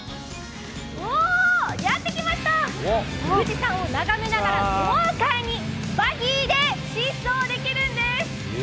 やってきました、富士山を眺めながら豪快にバギーで疾走できるんです。